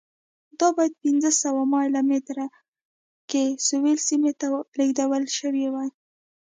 دا باید پنځه سوه مایل مترۍ کې سویل سیمې ته لېږدول شوې وای.